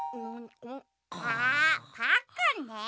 あパックンね！